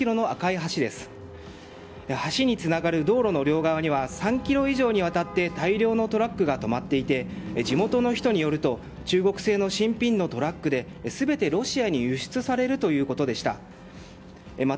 橋につながる道路の両側には３ｋｍ以上にわたって大量のトラックが止まっており地元の人によると中国製の新品のトラックで全てロシアに輸出されるということでした。